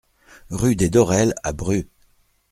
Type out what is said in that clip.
Rue des Dorelles à Bruz